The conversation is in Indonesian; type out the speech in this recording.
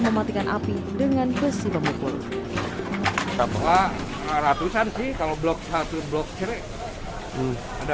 mematikan api dengan besi pemukul raporan ratusan sih kalau blok satu blok seri ada